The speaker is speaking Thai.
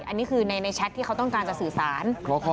อันนี้คือในแชทที่เขาต้องการจะสื่อสาร